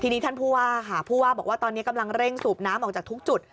ทีนี้ท่านผู้ว่าค่ะผู้ว่าบอกว่าตอนนี้กำลังเร่งสูบน้ำออกจากทุกจุด